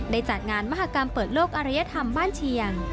จัดงานมหากรรมเปิดโลกอรยธรรมบ้านเชียง